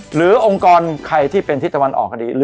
องค์กรใครที่เป็นทิศตะวันออกก็ดี